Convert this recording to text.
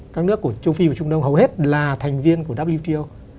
các nước của châu phi và trung đông hầu hết là thành viên của wto